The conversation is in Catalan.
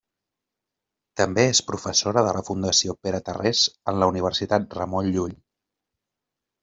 També és professora de la Fundació Pere Tarrés en la Universitat Ramon Llull.